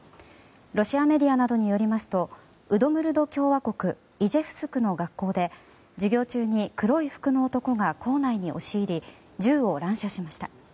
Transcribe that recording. ロシアメディアなどによりますとウドムルド共和国イジェフスクの学校で授業中に、黒い服の男が校内に押し入り銃を乱射しました。